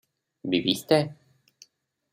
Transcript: ¿viviste?